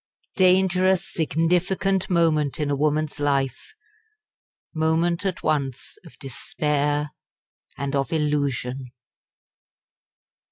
Dangerous significant moment in a woman's life moment at once of despair and of illusion!